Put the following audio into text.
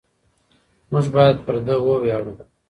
موږ باید پر ده وویاړو.